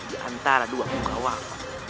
di antara dua punggawang